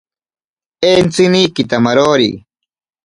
Entsini kitamarori.